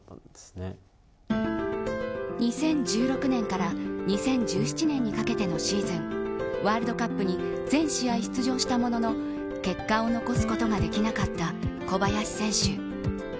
２０１６年から２０１７年にかけてのシーズンワールドカップに全試合出場したものの結果を残すことができなかった小林選手。